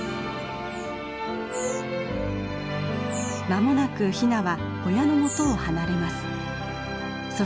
間もなくひなは親のもとを離れます。